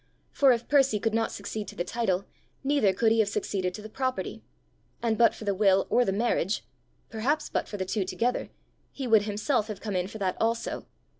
For, if Percy could not succeed to the title, neither could he have succeeded to the property; and but for the will or the marriage, perhaps but for the two together, he would himself have come in for that also!